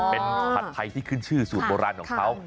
เป็นผัดไทยที่ขึ้นชื่อสูตรโบราณของเขา